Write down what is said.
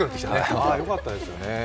ああ、よかったですね。